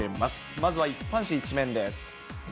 まずは一般紙１面です。